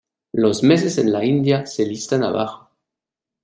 Los meses en la India se listan abajo.